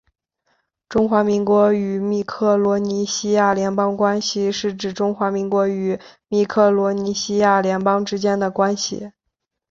中华民国与密克罗尼西亚联邦关系是指中华民国与密克罗尼西亚联邦之间的关系。